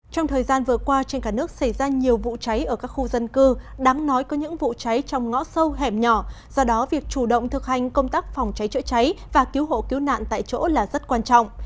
trong thời gian vừa qua trên cả nước xảy ra nhiều vụ cháy ở các khu dân cư đáng nói có những vụ cháy trong ngõ sâu hẻm nhỏ do đó việc chủ động thực hành công tác phòng cháy chữa cháy và cứu hộ cứu nạn tại chỗ là rất quan trọng